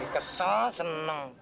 kok kamu kelihatannya senang banget